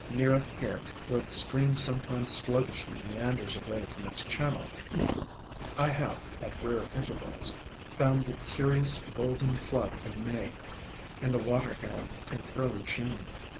Near here, where the stream sometimes sluggishly meanders away from its channel, I have, at rare intervals, found the curious 42 ALONG THE WATERWAYS Golden Club in May, and the Water Arum in early June.